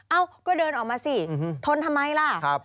เอ้าก็เดินออกมาสิทนทำไมล่ะ